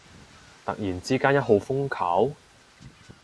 突然之間一號風球？